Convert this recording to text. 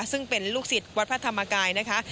ซึ่งเป็นลูกศิษย์วัดพระธรรมกายนะคะ